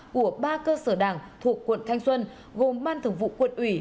của ba cơ sở đảng thuộc quận thanh xuân gồm ban thường vụ quận ủy